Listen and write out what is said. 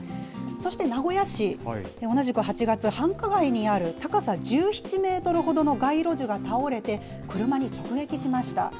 そして、名古屋市、同じく８月、繁華街にある高さ１７メートルほどの街路樹が倒れて、車に直撃しました。